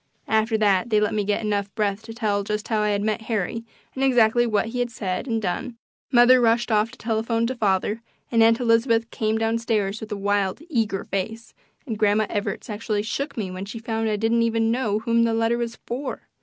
After they had let me get enough breath to tell just how I had met Harry and exactly what he had said and done, mother rushed off to telephone to father, and Aunt Elizabeth came down stairs with a wild, eager face, and Grandma Evarts actually shook me when she found I didn't even know whom the letter was for.